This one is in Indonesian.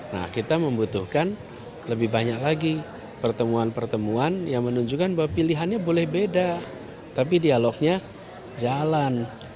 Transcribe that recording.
nah kita membutuhkan lebih banyak lagi pertemuan pertemuan yang menunjukkan bahwa pilihannya boleh beda tapi dialognya jalan